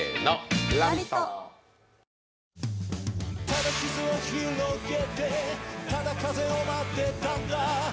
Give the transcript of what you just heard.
ただ地図を広げてただ風を待ってたんだ